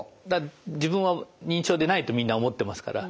自分は認知症でないとみんな思ってますから。